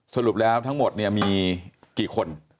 สรุปแล้วทั้งหมดเนี่ยมีกี่คน